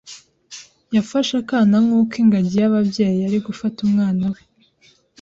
Yafashe akana nkuko ingagi yababyeyi yari gufata umwana we .